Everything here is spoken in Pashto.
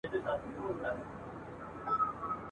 هر ماشوم حق لري چي ښوونځي ته ولاړ سي.